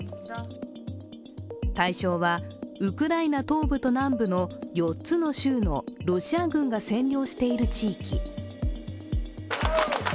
対象は、ウクライナ東部と南部の４つの州のロシア軍が占領している地域。